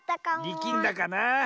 りきんだかな。